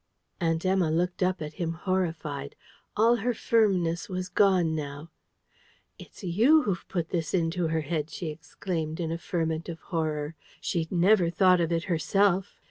Aunt Emma looked up at him, horrified. All her firmness was gone now. "It's YOU who've put this into her head!" she exclaimed, in a ferment of horror. "She'd never thought of it herself.